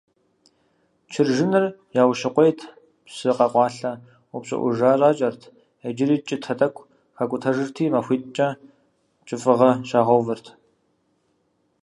чыржыныр яущыкъуейт, псы къэкъуэлъа упщIыIужа щIакIэрт, иджыри кIытэ тIэкIу хакIутэжырти, махуиткIэ кIыфIыгъэ щагъэувырт.